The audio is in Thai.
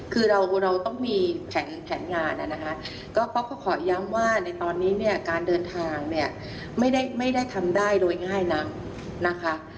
คือเราต้องมีแผนงานนะคะก็ป๊อกก็ขอย้ำว่าในตอนนี้เนี่ยการเดินทางเนี่ยไม่ได้ทำได้โดยง่ายนักนะคะ